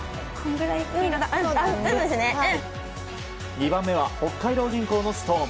２番目は北海道銀行のストーン。